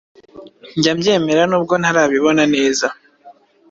Njya mbyemera nubwo ntarabibona neza.